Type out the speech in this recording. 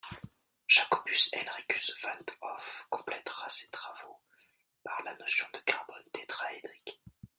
Jacobus Henricus van 't Hoff complètera ces travaux par la notion de carbone tétraédrique.